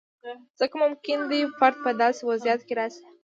ځکه ممکنه ده فرد په داسې وضعیت کې راشي.